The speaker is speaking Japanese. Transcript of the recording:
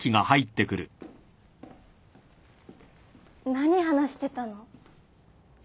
何話してたの？